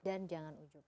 dan jangan wujud